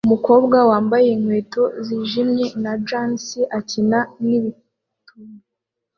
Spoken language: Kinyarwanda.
Umukobwa wambaye inkweto zijimye na jans akina nibituba